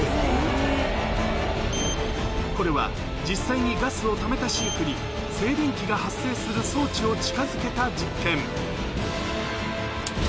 これは、実際にガスをためたシンクに、静電気が発生する装置を近づけた実験。